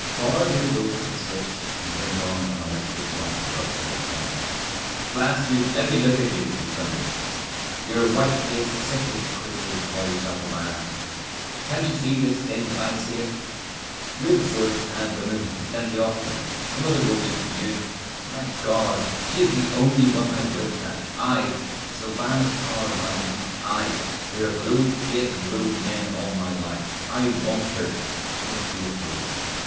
Power leaned over to the switch and turned on an electric light above Philip's head. "Blast you, let me look at you!" he thundered. "You're a white faced, sickly creature to call yourself a man! Can't you see this thing as I see it? You're the sort that's had women, and plenty of them. Another will do for you, and, my God! she is the only one I've looked at I, Sylvanus Power, mind I, who have ruled fate and ruled men all my life I want her! Don't be a fool!